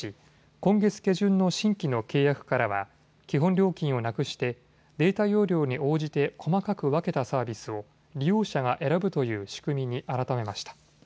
今月下旬の新規の契約からは基本料金をなくしてデータ容量に応じて細かく分けたサービスを利用者が選ぶという仕組みに改めました。